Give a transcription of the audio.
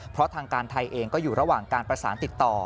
เพราะทางการไทยเองก็อยู่ระหว่างการประสานติดต่อ